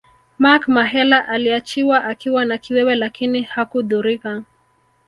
Mark Mahela aliachiwa akiwa na kiwewe lakini hakudhurika